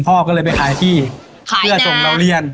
พ่อก็เลยไปขายที่เพื่อส่งเราเรียน